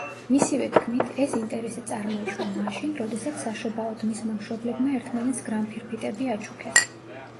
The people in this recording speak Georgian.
მისივე თქმით, ეს ინტერესი წარმოიშვა მაშინ, როდესაც საშობაოდ მისმა მშობლებმა ერთმანეთს გრამფირფიტები აჩუქეს.